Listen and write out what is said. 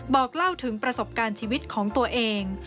บอกเล่าถึงประสบการณ์ชีวิตของตัวเอง